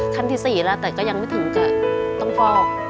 ขั้นที่๔แล้วแต่ก็ยังไม่ถึงจะต้องฟอก